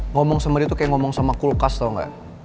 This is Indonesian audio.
ngomong sama dia tuh kayak ngomong sama kulkas atau enggak